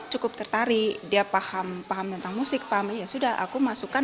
cukup tertarik dia paham tentang musik paham ya sudah aku masukkan